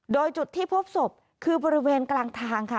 โดยจุดที่พบศพคือบริเวณกลางทางค่ะ